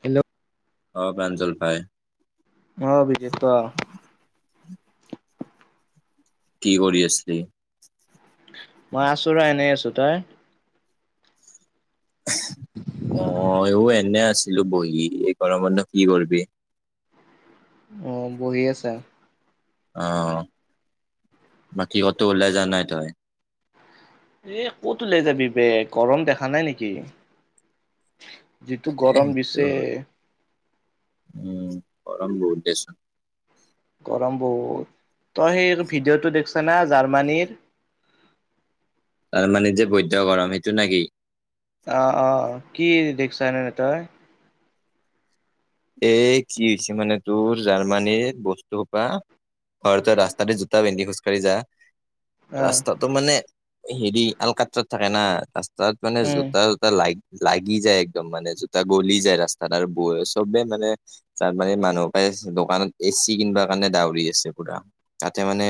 Hello অ প্ৰাঞ্জল ভাই অ অভিজিত ক কি কৰি আছিলি? মই আছো ৰ এনেই আছো। তই? মইও এনে আছিলো বহি এই গৰমত নো কি কৰিবি। অ বহি আছা। আহ বাকী কতো ওলাই যা নাই তই? এ ক'ত ওলাই যাবি বেগ গৰম দেখা নাই নেকি? যিটো এ গৰম সেইটো দিছে। উম গৰম বহুত দিছে। গৰম বহুত তই সেই ভিডিঅ'টো দেখছা না জাৰ্মানীৰ তাৰ মানে যে বৈধ্য গৰম সেইটো নাকি আহ অ কি দেখছা এ ননে তই এ কি হৈছে মানে তোৰ জাৰ্মানীৰ বস্তুসোপা ঘৰ ত ৰাস্তাদি জোতা ভেন্দি খোজ কাঢি যা- অ ৰাস্তাটো মানে হেৰি আল কাত্ৰাত থাকে না ৰাস্ত তাত মানে উম জোতা জোতা লাগ লাগি যায় একদম মানে জোতা গলি যায় ৰাস্তা তাৰ ব- চবে মানে তাৰ মানে মানুহকে দোকানত এ চি কিনব কাৰণে দউৰি আছে পুৰা। মানে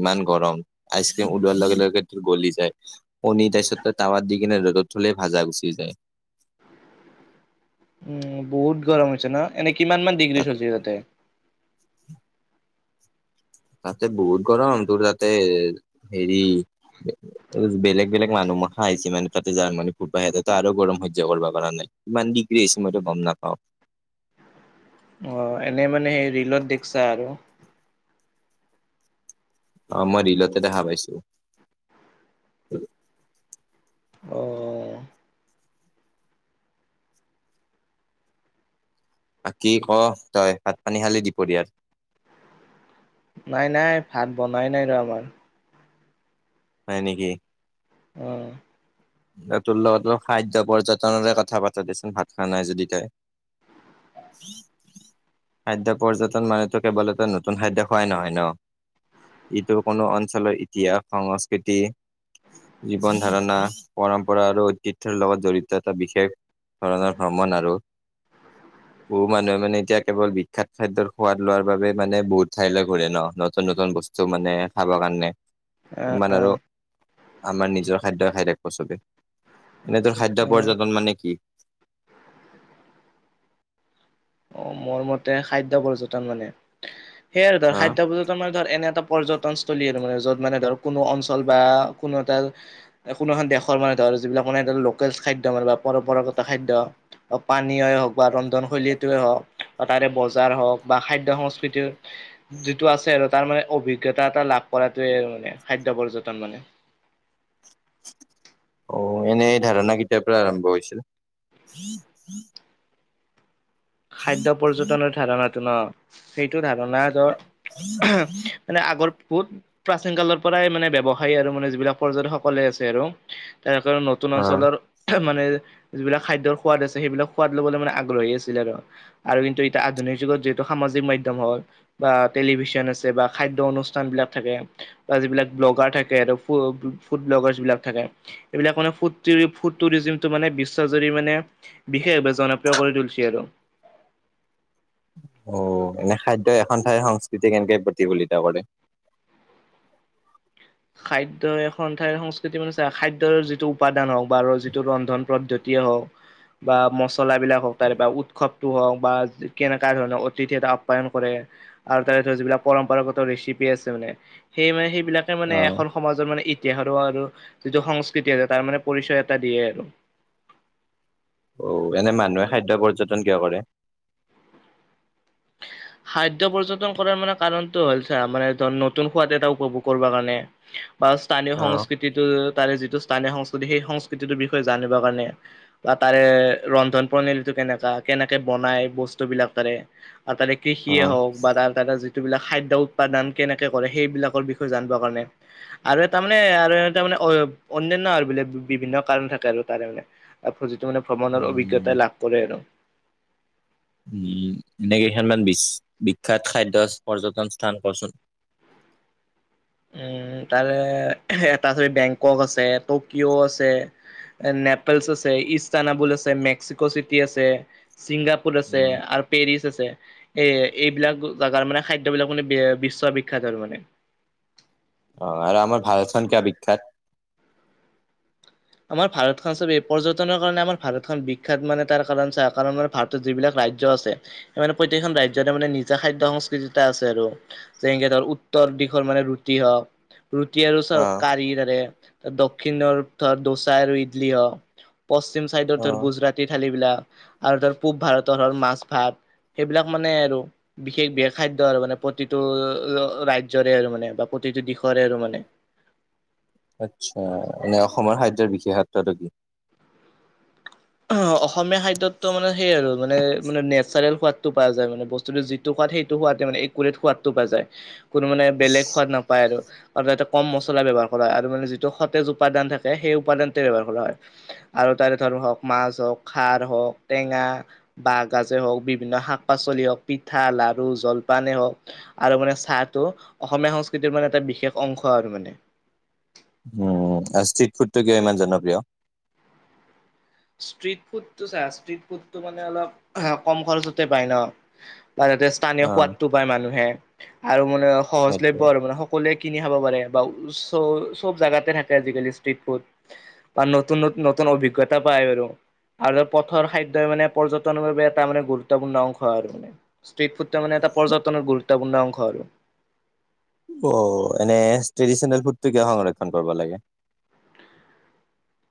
ইমান গৰম আইচ ক্ৰীম উলোৱাৰ লগে লগে গলি যায় কনীৰ তাৰপিছত তাৱা দিকেনে ৰ'দত থলে ভাজা গুচি যায়। উম বহুত গৰম আ হৈছে না। এনেই কিমান মান ডিগ্ৰী তাত চলি তাতে তাতে বহুত গৰম তোৰ তাতে হেৰি বেলেগ বেলেগ মানুহ ম খা আহিছে মানে তাতে যাৰ মানি ফুটবাহিতে তো আৰু গৰম সহ্য কৰিব পৰা নাই। ইমান দিগ্ৰী হৈছে মইতো গম নাপাওঁ। এনে মানে সেই ৰিলত দেখছা আৰু। অ মই ৰিলতে দেখা পাইছো। অহ বাকী ক তই ভাত পানী খালি দিপৰীয়াৰ? নাই নাই ভাত বনাই নাই ৰ আমাৰ হয় নেকি? অহ তোৰ লগত খাদ্য পৰ্যটনেৰে কথা পাতো দে চোন ভাত খোৱা নাই যদি তই [inaudible] খাদ্য পৰ্যটন মানুহেতো কেৱল এটা নতুন খাদ্য খোৱাই নহয় ন ইটো কোনো অঞ্চলৰ ইতিহাস সংস্কৃতি জীৱন ধাৰণা পৰম্পৰা আৰু ঐতিহ্যৰ লগত জড়িত এটা বিশেষ ধৰণৰ ভ্ৰমণ আৰু [inaudible] বহু মানুহে মানে এতিয়া কেৱল বিখ্যাত খাদ্যৰ সোৱাদ লোৱাৰ বাবে মানে বহুত ঠাইলৈ ঘৰে নতুন নতুন বস্ত- বস্তু মানে খাবৰ কাৰণে। ইমান অ আৰু আমাৰ নিজৰ খাদ্যই খাই থাকব চবে। এনেতোৰ খাদ্য অ পৰ্যটন মানে কি? অ মোৰ মতে খাদ্য পৰ্যটন মানে সেইয়াই আৰু ধৰ হা খাদ্য পৰ্যটন মানে ধৰ এনে এটা পৰ্যটনস্থলী আৰু মানে য'ত মানে ধৰক কোনো অঞ্চল বা কোনো এটা কোনো এখন দেশৰ মানে ধৰক আৰু যিবিলাক মানে লোকেল খাদ্য মানে পৰম্পৰাগত খাদ্য পানীয় হওক বা ৰন্ধনশৈলী হওক বা তাৰে বজাৰ হওক বা খাদ্য সংস্কৃতিৰ যিটো আছে আৰু তাৰ মানে অভিজ্ঞ- জ্ঞতা এটা লাভ কৰাটোৱে মানে খাদ্য পৰ্যটন মানে অ এনে ধাৰণা কেইটাৰ পৰা আৰম্ভ হৈছিল? খাদ্য পৰ্যটনৰ ধাৰণাটো ন সেইটো ধাৰণা মানে আগৰ বহুত প্ৰাচীন কালৰ পৰাই মানে ব্যৱসায়ী আৰু মানে যিবিলাক পৰ্যটকসকলে আছে আৰু তেনে নতুন অ অঞ্চলৰ মান মানে যিবিলাক খাদ্যৰ সোৱাদ আছে সেইবিলাক সোৱাদ লবলৈ মানে আগ্ৰহী আছিল আৰু আৰু কিন্তু এতিয়া আধুনিক যুগত যিহেতু সামাজিক মাধ্যম হল বা টেলিভিছন আছে বা খাদ্য অনু- অনুস্থান বিলাক থাকে, বা যিবিলাক ব্লকাৰ থাকে ফু ফুড ব্লকাৰছ বিলাক থাকে এইবিলাক ফু ফুড টুৰিজিমটো মানে বিশ্ব জুৰি মানে বিশেষভাৱে জনপ্ৰিয় কৰি তুলিছে আৰু অ এনে খাদ্য এখন ঠাইৰ সংস্কৃতি কেনেকে প্ৰতিফলিত কৰে? [inaudible] খাদ্যয় এখন ঠাইৰ সংস্কৃতি মানে চা খাদ্যৰ যিটো উপাদান হওঁক বা যিটো ৰন্ধন পদ্ধতি কিয় হক। বা মচলা বিলাক হওক তাৰে পৰা উৎসৱটো হওক বা কেনেককা ধৰণৰ অতিথি এটা আপ্যায়ন কৰে। আৰু তাৰৰ যিবিলাক পৰম্পৰাগত ৰেচিপি আছে মানে সেই মানে সেইবিলাক। মানে অ এখন সমাজৰ মানে। ইতিাহাৰো আৰু যিটো সংস্কৃতি আছে তাৰ মানে পৰিচয় এটা দিয়ে আৰু। আহ এনে মানুহে খাদ্য পৰ্যটন কিয় কৰে। খাদ্যয় পৰ্যটন কৰাৰ মানে কাৰণতটো হ'ল চা মানে ধ নতুন সোৱাদ এটা উপভোগ কৰিব কাৰণে। বা স্থানীয় অ সংস্কৃতিটো তাৰে যিটো। স্থানীয় সংস্কৃতি সেই সংস্কৃতিটোৰ বিষয়ে জানিবৰ কাৰণে বা তাৰে ৰন্ধন প্ৰণালীটো কেনেকা। কেনেকে বনাই বস্তু বিলাক তাৰে আৰু তাৰে অ কৃষিয়ে হওক বা। বিলাক খাদ্য উৎপাদন কেনেকে কৰে সেইবিলাকৰ বিষয়ে জানিবৰ কাৰণে আৰু তাৰমানানে আৰু তাৰ মানে। অ অনান্যা আৰু বোলে বিভিন্ন কাৰণ থাকে আৰু তাৰে মানে। মানে ভ্ৰমণৰ অভিজ্ঞতা উম লাভ কৰে আৰু। এনেকেইখনমান বিখ্যাত খাদ্য পৰ্যটন স্থান কৰচোন। [unintelligible] উম তাৰে এটা চবি বেংকক আছে টকিঅ' আছে। নেপেলছ আছে ইস্তানাবুল আছে মেক্সিকো চিটি আছে। ছিংগাপুৰ আছে উম আৰু পেৰিচ। ছে এ এইবিলাক জোগাৰ মানে খাদ্য বিলাক মানে বিশ্ববিখ্যাত আৰু মানে। অ আৰু আমাৰ বিখ্যাত। আমাৰ ভাৰত খ চব এই পৰ্যটনৰ কাৰণে আমাৰ ভাৰতখন বিখ্যাত মানে তাৰ কাৰণ চাই কাৰণ আাৰ ভাৰতত যিবিলাক। ৰাজ্য আছে মানে প্ৰতেখন ৰাজয় মানে নিজা খাদ্য সংস্কৃতি এটা আছে আৰু যেনেকে ধৰ উত। দিশৰ মানে ৰুটি হ ওক। ৰুটি আৰু অ কাৰি তাৰে দক্ষিণৰথৰত, দোচা আৰু ইডলি হ,। পশ্চিম চাইডৰ অ ধৰ গুজৰাটী থালিবিলাক আৰু ধৰ পূব ভাৰতৰ হৰ মাছ ভাত,। সেইবিলাক মানে আৰু বিশেষ বিশেষ খাদ্য আৰু মানে প্ৰতিটো ৰাজ্যৰে আৰু মানে বা প্ৰতি। প্ৰতিটো দিশৰে আৰু মানে। আচ্ছা। এনে অসমৰ খাদ্যৰ বিশেষত্বটো কি? অ অসমীয়া খাদ্যতো মানে সেই আৰু মানে মানে নেচাৰেল সোৱাদতটো পোৱা যায়, মানে বস্তুটো যিটো। সেইটো সোৱাদে মানে একোৰিত সোৱাদটো পাই যায়। কোনো মানে বেলেগ সোৱাদ নাপায় আৰু। আৰু ইয়াতে কম মছলা ব্যৱহাৰ কৰা হয় আৰু মানে যিটো সতেজ উপাদান থাকে সেই উপাদানটোৱে ব্যৱহাৰ কৰা হয়। আৰু তাৰে ধৰ হওক,। মাছ হওক, খাৰ হওক, টেঙা, বাহগাজে হওক, বিভিন্ন শাক পাচলি হওক, পিঠা ল-। লাৰু, জলপানেই হওক আৰু মানে চাহটো অসমীয়া সংস্কৃতিৰ মানে এটা বিশেষ অংশ আৰু মানে। [unintelligible] উ আৰু ষ্ট্ৰিট ফুডটো কিয় ইমান জনপ্ৰিয়? ষ্ট্ৰিট ফুডটো চা ষ্ট্ৰিট ফুডটো মানে অলপ কম খৰচতে পাই ন। বা যাতে স্থানীয় অ সোৱাদটো পায় মানুহে আৰু মানে সেইটোৱে সহজলভ্য আৰু মানে সকলোৱে। কিনি খাব পাৰে বা চব জেগাতে থাকে আজিকালি ষ্ট্ৰীত ফুড বা নতুন নতুন অভিজ্ঞতা। তাপাই আৰু। আৰু পথৰ খাদ্যই মানে পৰ্যটনৰ বাবে এটা মানে গুৰুত্বপূৰ্ণ অংশ আৰু মান ষ্ট্ৰীট ফুডটো মানে। এটা পৰ্যটনৰ গুৰুত্বপূৰ্ণ অংশ আৰু। অ এনে ট্ৰেডিচনেল ফুডটো কিয় সংৰক্ষণ কৰিব লাগে?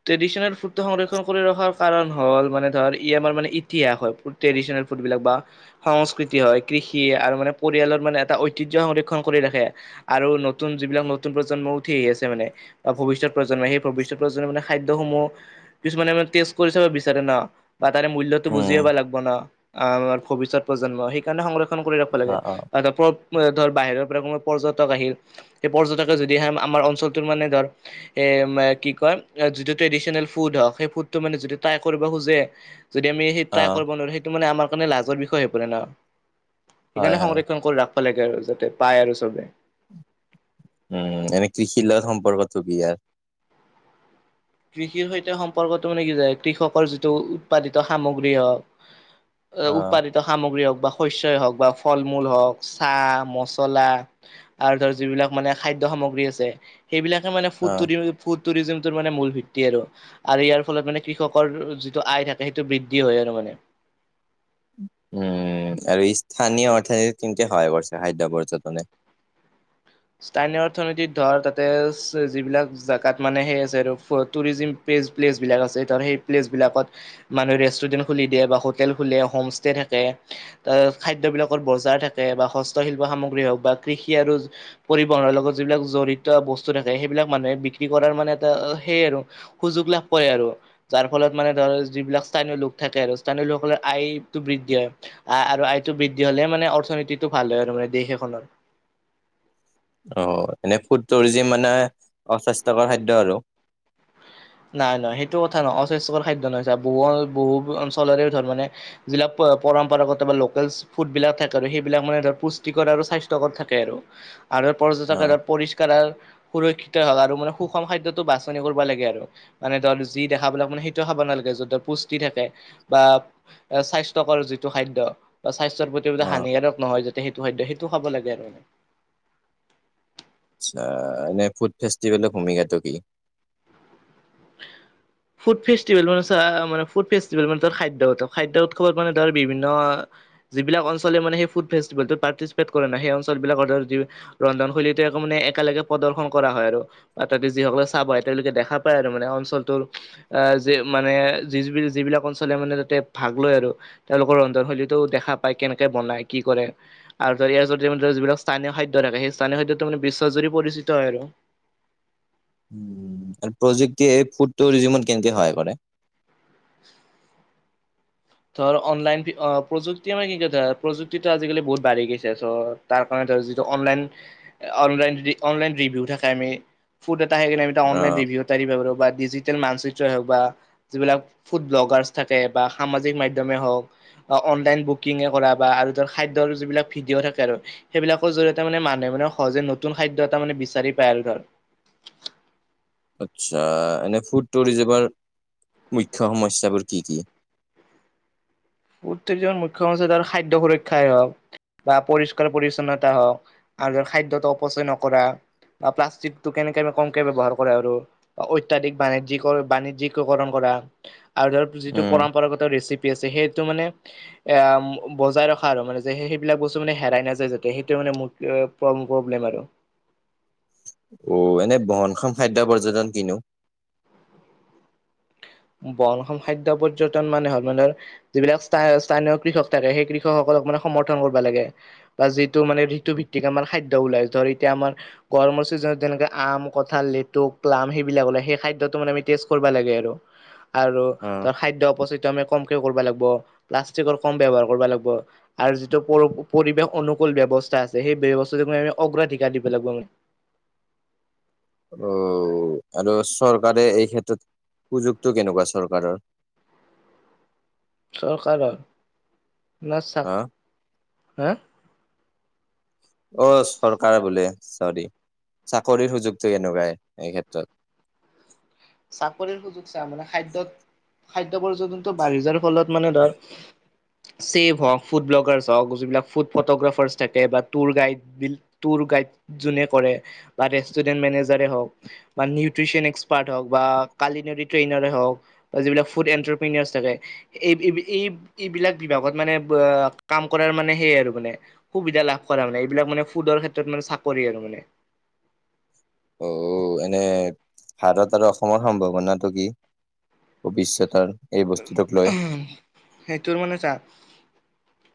ট্ৰেডিচনেল ফুডটো সংৰক্ষণ কৰি ৰখাৰ কাৰণ হল, মানে ধৰ ই আমাৰ মে ই হয়। ফ বিলাক বা সংস্কৃতি হয় কৃষি আৰু মানে পৰিয়ালৰ মানে এটা ঐতিহ্য সংৰক্ষণ কৰি ৰাখে। আৰু নতুন যিবিলাক নতুন প্ৰজন্ম উঠি আহি আছে মানে বা ভৱিষ্যত প্ৰজন্মই সেই ভৱিষ্যত প্ৰজন্মৰ মানে। খাদ্য সমূহ কিছুমানে মানে টেষ্ট কৰিছে বা বিচাৰে না। বা তাৰে মূল্যতটো বুজি উম, পাব লাগব না, ভৱিষ্যত প্ৰজন্মই। সেইকাৰণে সংৰক্ষণ কৰি ৰাখিব লাগে। অ', অ', আৰু ধৰ বাহিৰৰ পৰা কোনোবা পৰ্যটক আহিল, সেই পৰ্যটকে যদি আমাৰ অঞ্চলটোৰ মানে ধৰ এ। কি কয় যিটো ট্ৰেদিচনেল ফুড হয়, সেই ফুডটো মানে যিটো ট্ৰাই কৰিব খোজে,। যদি আমি সেই ট্ৰাই অ', কৰিব নোৱাৰোঁ, সেইটো মানে আমাৰ কাৰণে লাজৰ বিষয় হৈ পৰে ন। হয়, সেইকাৰণে হয়, সংৰক্ষণ কৰি ৰাখিব লাগে আৰু যাতে পায় আৰু চবে। উম এনে কৃষিৰ লগত সম্পৰ্কটো কি আৰু? কৃষিৰ সৈতে সম্পৰ্কটো মানে কি যায় কৃষকৰ যিটো উৎপাদিত সামগ্ৰী হওঁক,। অ', উৎপাদিত সামগ্ৰী হওক। বা শস্যই হওক বা ফল মূল হওঁক, চাহ মচলা আৰু ধৰ যিবিলাক মানে খা -। দ্য সামগ্ৰী আছে, সেইবিলাকে মানে ফুড অ', ফুড তুৰিজমটো মানে মূল। আৰু আৰু ইয়াৰ ফলত মানে কৃষকৰ যিটো আয় থাকে সেইটো বৃদ্ধি হয় আৰু মানে। [unintelligible] উম আৰু স্থানীয় অৰ্থনীতি ন্তি হয় কৰিছে খাদ্য পৰ্যটনে। উ [unintelligible] স্থানীয় অৰ্থনীতিত ধৰ তাতে যিবিলাক জেগাত মানে সেই আছে আৰু টোৰিছিম। প্লেচ বিলাক আছে। ত সেই প্লেচ বিলাকত মানুহ ৰেষ্টুৰেন্ট খুলি দিয়ে বা হোটেল খুললে হোমষ্টে থাকে। ত খাদ্য বিলাকত বজাৰ থাকে বা হস্ত শিল্প সামগ্ৰী হওক বা কৃষি আৰু। পৰিবহনৰৰ লগত যিবিলাক জড়িত বস্তু থাকে। সেইবিলাক মানুহে বিক্ৰী কৰাৰ মানে এটা সেইয় আৰু সুযোগ। লাভ কৰে আৰু, যাৰ ফলত মানে ধৰ যিবিলাক স্থানীয় লোক থাকে আৰু স্থানীয় লোকসকলৰ আয়তটো বৃদ্ধি হয়। আৰু আয়টো বৃদ্ধি হলে মানে অৰ্থনীতিটো ভাল হয় আৰু মানে দেশ এখনৰ। অ এনেই ফুড টুৰিজিম মানে অস্বাস্থ্যকৰ খাদ্য আৰু। নাই নহয় সেইটো কথা নহয়। অস্বাস্থ্যকৰ খাদ্য নহয় বহু বহু অঞ্চলৰে ধ মানে জিলা। পৰম্পৰাগত বা লেটেষ্ট ফুডবলাক থাকে আৰু সেইবিলাক মানে পুষ্টিকৰ আৰু স্বাস্থ্যকৰ থাকে আৰু। আৰু অ', পৰ্যটকে পৰিষ্কাৰ আৰু সুৰক্ষিত হওক আৰু মানে সুষম খাদ্যটো বাছনি কৰিব লাগে আৰু। মানে ধৰ যি দেখাবিলাক মানে সেইটো খাব নালাগে, য পুষ্টি থাকে বা স্বাস্থ্য সংস্থাৰ। যিটো খাদ্য। স্বাস্থ্যৰ প্ৰতি অ', হানিকাৰক নহয় যাতে সেইটো খাদ্য সেইটো খাব লাগে আৰু মানে। এনে ফুড ফেষ্টিভেলৰ ভূমিকাটো কি? ফুড ফেষ্টিভেলৰ মানে চা মানে ফুড ফেষ্টভেল মানে খাদ্য খাদ্যতকৈ উৎসৱত মানে ধৰ বিভিন্ন। যিলাক অল চলে মানে সেই ফুডফেষ্ট পাৰ্তিচিপেট কৰে নাই সেই অঞ্চলবিলাকৰ ধৰ ৰন্ধনশৈলী। তিয়াকৌ মানে একেলগে প্ৰদৰ্শন কৰা হয় আৰু বা তাতে যিসকলে চাব হয় তেওঁলোকে দেখা পায় আৰু। মানে অঞ্চলটোৰ আহ যি মানে যি যিবিলাক অঞ্চলে মানে তাতে ভাগ লয় আৰু। তেওঁলোকৰ ৰন্ধনশৈলীতো দেখা পায় কেনেকে বনাই কি কৰে আৰু ধৰি ইয়াৰ যি যিবিলাক স্থানীয় খাদ্য। সেই স্থানীয় খাদ্যটো মানে বিশ্বাস জুৰি পৰিচিত হয় আৰু। আৰু প্ৰযুক্তিয়ে ফুডটৰিজিমন কেনেকে সহায় কৰে। [unintelligible] ধ অনলাইন অ প্ৰযুক্তি আমাৰ কি কৈ প্ৰযুক্তিটো আজিকালি বহুত বাঢ়ি গৈছে চ তাৰ কাৰণে। যিটো অনলাইন অনলাইন যদি অনলাইন ৰিভিউ থাকে আমি ফুড। চাই কিনে এটা অনলাইন অ', ৰিভিউ এটা দিব পাৰোঁ। ডিজিটেল মানচিত্ৰই হওক বা যিবিলাক ফুড ব্লগাৰছ থাকে সামাজিক। যি মাধ্যমে হওঁক অনলাইন বুকিং কৰা বা খাদ্যৰ যিবিলাক ভিডিঅ থাকে আৰু। সেইবিলাকৰ জৰিয়তে মানে মানুহে মানে সহজে নতুন খাদ্য এটা মানে বিচাৰি পায় আৰু ধৰ। আচ্ছা এনে ফুড টুৰিজমৰ মুখ্য সমস্যাবোৰ কি কি? [unintelligible] ফুড টুৰিজমৰ মুখ্য সমস্যা তাৰ খাদ্য সুৰক্ষাই হওক বা পৰিষ্কাৰ পৰিচ্ছন্নতা হওক। আৰু খাদ্যত অপচয় নকৰা। বা প্লাষ্টিকটো কেনেকে কমকে ব্যৱহাৰ কৰে আৰু অত্যাধিক বাণিজ্ বাণিজ্যিক কৰণ কৰে। আৰু ধৰ যিটো উম, পৰম্পৰাগত ৰেচিপি আছে সেই। সেইটো মানে বজাই ৰখা মানে সেইবিলাক বস্তু মানে হেৰাই নাযায় যাতে সেইটো মানে মু। প্ৰব্লেম আৰু। অ এনে বহনখম খাদ্য পৰ্যটন কিনো? বহনখম খাদ্য পৰ্যটন মানে হল মানে যিবিলাক স্থা স্থানীয় কৃষক থাকে সেই কৃষকসকল। সমৰ্থন কৰিব লাগে বা যিটো মানে ঋতু ভিত্ত আমাৰ খাদ্য ওলাই ধৰ এতিয়া আমাৰ। গৰমৰ চিজনত যেনেকে আম কঁঠাল লটু প্লাম সেইবিলাক ওললে সেই খাদ্যটো মানে আমি টেষ্ট কৰিব লাগে আৰু। আৰু অ'। ত খাদ্য উপস্থিত। সেইটো আমি কমকে কৰিব লাগিব প্লাষ্টিকৰ কম ব্যৱহাৰ কৰিব লাগিব আৰু যিটো প পৰিৱেশ অনু। কুল ব্যৱস্থা আছে সেই ব্যৱস্থাটো আম অগ্ৰাধিকাৰ দিব লাগিব মানে। অ আৰু চৰকাৰে এই ক্ষেত্ৰত। উপুযুক্ত কেনেকুৱা চৰকাৰৰ? [unintelligible] চৰকাৰৰ ন চা হা? হা। অ চৰকাৰে বোলে চৰি। চাকৰিৰ সুযোগটো এনেকুৱাই এই ক্ষেত্ৰত। চাকৰিৰ সুযোগ চা মানে খাদ্যত খাদ। এ পৰ্যন্ত বাঢ়ি যাৰ ফলত মানে ধৰ। ছেভ হওক ফুড ব্লগাৰছ হওক যিবিলাক ফুড ফটোগ্ৰাফাৰছ থাকে বা টুৰ গাইড টুৰ। গাইড যুনে কৰে বা ৰেটোৰেন্ত মেনেজাৰে হওঁক বা নিউত্ৰিচন এক্সপাৰ্ট। হওঁক বা কালি নদী ট্ৰেইন হওক বা যিবিলাক ফুড এটপ্ৰেনিয়াছ থাকে এই এই। এইবিলাক বিভাগত মানে কাম কৰাৰ মানে সেয় আৰু মানে সুবিধা লাভ কৰা মানে এইবিলাক মানে ফুড। ক্ষেত্ৰত মানে চাকৰি আৰু মানে। অ এনে ভাৰত আৰু অসমৰ সম্ভাৱনাটো কি? ভৱিষ্যতৰ? এই বস্তুটোক লৈ? সেইটোৰ মানে চা।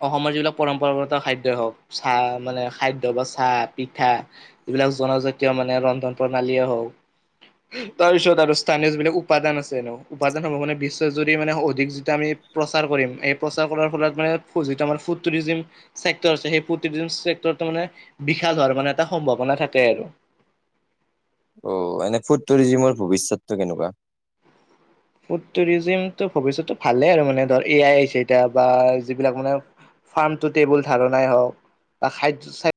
অসমৰ যিবিলাক পৰম্পৰাগত খাদ্যই হওঁক চাহ মানে খাদ্য বা চাহ পিঠা। এইবিলাক জনজাতীয় মানে ৰন্ধন প্ৰণালীয়ে হওক। তাৰপিছত আৰু স্থানীয় যিবিলাক উপাদান আছে ন উপাদানসমহ মানে বিশ। মানে অধিক যিটো আমি প্ৰচাৰ কৰিম এই প্ৰচাৰ কৰাৰ ফলত মানে যিটো আমাৰ ফুডি। চেক্টৰ আছে সেই প্ৰতিটো চেক্ট মানে, বিশাল হোৱাৰ মানে এটা সম্ভাৱনা থাকে আৰু। [unintelligible] অ এনে ফুড টুৰিজিমৰ ভৱিষ্যতটো কেনেকুৱা। ফুড টুৰিজিম তটো ভৱিষ্যতটো ভালে আৰু মানে ধৰ এ আই আহিছে এতিয়া বা যিবিলাক মানে। ফাৰ্মটো টেবুল ধাৰণাই হওক বা খাদ্যয়।